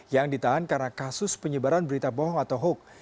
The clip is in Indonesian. yang ditahan karena kasus penyebaran berita bohong atau hoax